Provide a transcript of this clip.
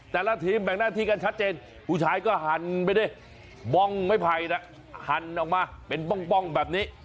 แต่ละทีมแบ่งหน้าที่กันชัดเจนผู้ชายก็หันไปด้วยบ้องไม้ไผ่นะหันออกมาเป็นป้องแบบนี้